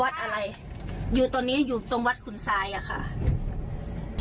อะไรอยู่ตอนนี้อยู่ตรงวัดขุนทรายอะค่ะ